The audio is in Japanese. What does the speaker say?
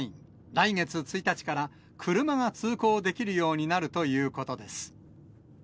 来月１日から車が通行できるようになるということです。